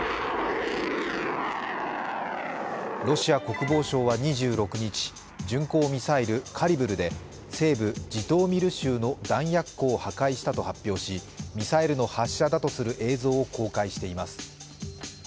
ロシア国防省は２６日巡航ミサイル・カリブルで西部ジトーミル州の弾薬庫を破壊したと発表し、ミサイルの発射だとする映像を公開しています。